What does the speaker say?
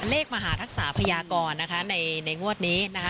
เลขมหาทักษะพยากรนะคะในงวดนี้นะคะ